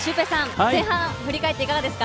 前半振り返っていかがですか？